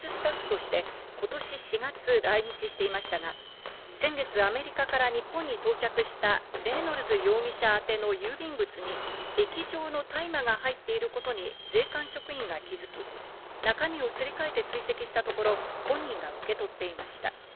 レイノルズ容疑者は東京オリンピック・パラリンピックの放送技術スタッフとして今年４月来日していましたが、先月アメリカから日本に到着したレイノルズ容疑者宛の郵便物に液状の大麻が入っていることに税関職員が気づき、中身をすりかえて追跡したところ、本人が受け取っていました。